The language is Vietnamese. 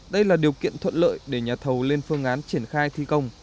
đây là điều kiện thuận lợi để nhà thầu lên phương án triển khai thi công